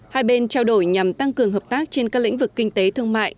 hai bên trao đổi nhằm tăng cường hợp tác trên các lĩnh vực kinh tế thương mại